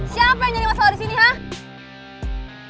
siapa yang jadi masalah di sini ya